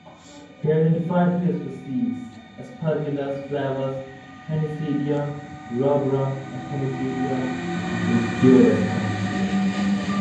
He identified three species - Aspergillus flavus, Penicillium rubrum and Penicillium rugulosum.